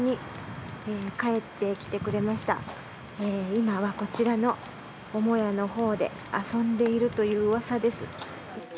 今はこちらの母屋のほうで遊んでいるといううわさです。